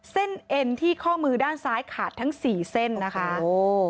เอ็นที่ข้อมือด้านซ้ายขาดทั้งสี่เส้นนะคะโอ้